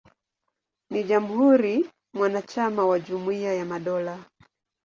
Ni jamhuri mwanachama wa Jumuiya ya Madola.